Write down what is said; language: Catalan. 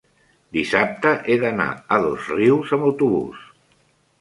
dissabte he d'anar a Dosrius amb autobús.